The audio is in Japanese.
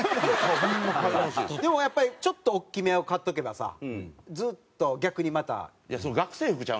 でもやっぱりちょっと大きめを買っとけばさずっと逆にまた。